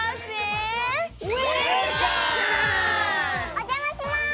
おじゃまします！